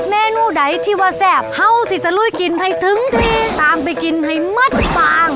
เมนูใดที่ว่าแซ่บเห่าสิจะลุยกินให้ถึงทีตามไปกินให้มัดฟาง